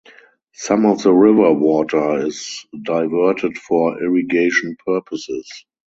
Some of the river water is diverted for irrigation purposes.